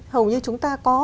hầu như chúng ta có